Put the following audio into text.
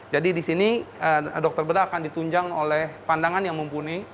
jadi di sini dokter bedah akan ditunjang oleh pandangan yang mumpuni